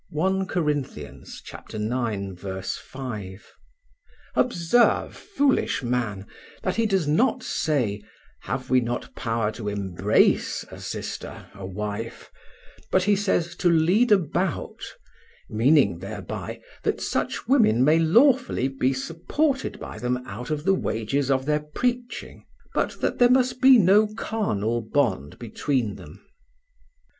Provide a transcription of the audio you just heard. (I Cor. ix, 5). Observe, foolish man, that he does not say: 'have we not power to embrace a sister, a wife,' but he says 'to lead about,' meaning thereby that such women may lawfully be supported by them out of the wages of their preaching, but that there must be no carnal bond between them."